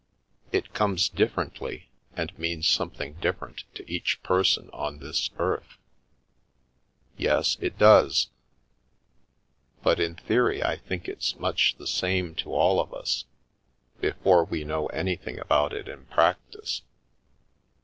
It comes differently, and means some thing different to each person on this earth." " Yes, it does. But in theory I think it's much the same to all of us, before we know anything about it in practice.